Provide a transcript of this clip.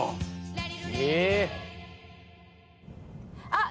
］あっ。